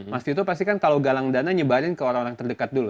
mas tito pasti kan kalau galang dana nyebarin ke orang orang terdekat dulu